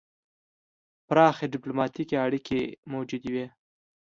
پراخې ډیپلوماتیکې اړیکې موجودې وې.